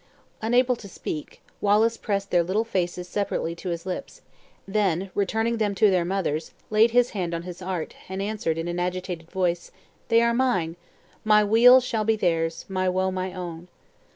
Unable to speak, Wallace pressed their little faces separately to his lips, then returning them to their mothers, laid his hand on his heart, and answered in an agitated voice. "They are mine! my weal shall be theirs my woe my own."